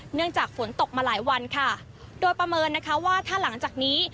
เนื่องจากฝนตกมาหลายวันค่ะโดยประเมินนะคะว่าถ้าหลังจากนี้